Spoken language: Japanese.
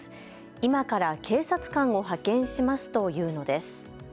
今から警察官を派遣しますと言うのです。